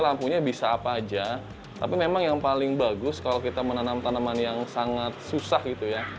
lampunya bisa apa aja tapi memang yang paling bagus kalau kita menanam tanaman yang sangat susah gitu ya